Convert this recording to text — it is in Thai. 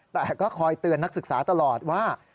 แต่ก็คอยเตือนนักศึกษาตลอดว่า